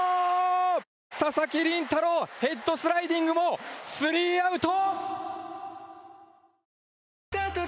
佐々木麟太郎、ヘッドスライディングもスリーアウト！